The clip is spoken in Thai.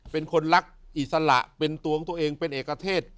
เป็นคนรักอิสระเป็นตัวของตัวเองเป็นเอกเทศ